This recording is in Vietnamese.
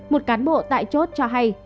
một cán bộ tại chốt cho hay